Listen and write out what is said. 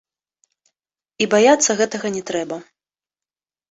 І баяцца гэтага не трэба.